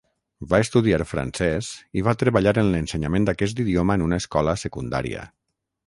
Va estudiar francès i va treballar en l'ensenyament d'aquest idioma en una escola secundària.